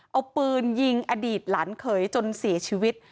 เอาปืนยิงอดีตหลานเขยจนเสียชีวิต